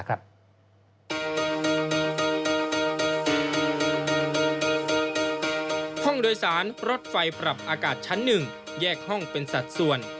ห้องโดยสารรถไฟปรับอากาศชั้น๑แยกห้องเป็นสัดส่วน